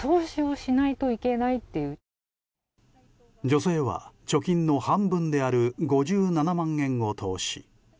女性は貯金の半分である５７万円を投資。